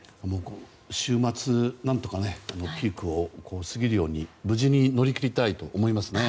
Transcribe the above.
週末、何とかピークを過ぎるように、無事に乗り切りたいと思いますね。